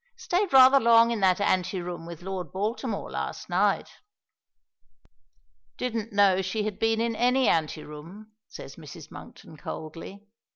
Stayed rather long in that anteroom with Lord Baltimore last night." "Didn't know she had been in any anteroom," says Mrs. Monkton, coldly.